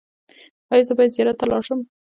ایا زه باید زیارت ته لاړ شم؟